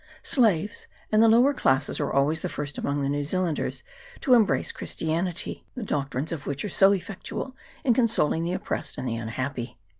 Slaves and the lower classes are always the first among the New Zealanders to embrace Christi anity, the doctrines of which are so effectual in consoling the oppressed and the unhappy.